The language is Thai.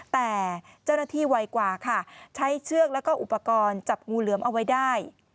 แต่เจ้าหน้าที่ไวกว่าค่ะใช้เชือกแล้วก็อุปกรณ์จับงูเหลือมเอาไว้ได้